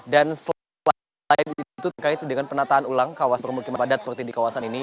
dan selain itu terkait dengan penataan ulang kawasan permukiman padat seperti di kawasan ini